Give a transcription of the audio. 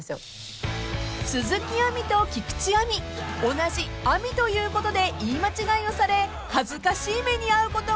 ［同じ亜美ということで言い間違いをされ恥ずかしい目にあうことが多いそうです］